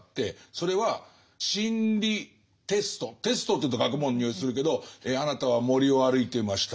それは心理テストテストというと学問のにおいするけど「あなたは森を歩いていました。